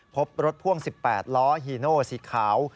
พบรถพ่วง๑๘ล้อฮีโนสีขาว